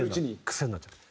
癖になっちゃって。